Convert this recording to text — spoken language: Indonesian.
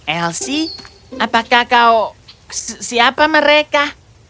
elsi apakah kau siapa mereka